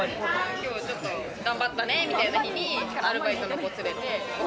きょうは頑張ったねというときに、アルバイトの子を連れて。